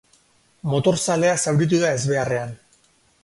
Motorzalea zauritu da ezbeharrean.